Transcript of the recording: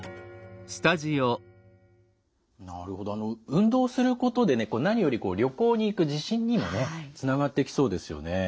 運動することでね何より旅行に行く自信にもねつながってきそうですよね。